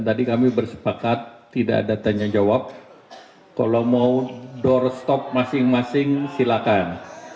tadi kami bersepakat tidak ada tanya jawab kalau mau doorstop masing masing silakan